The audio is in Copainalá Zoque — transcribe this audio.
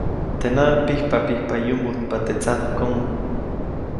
Teʼ näʼ pijpapijpa yumbujtpa teʼ tsadäjkomo.